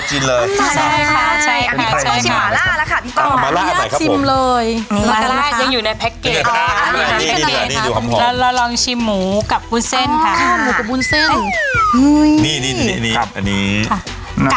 ชิมเลยมันน่ะ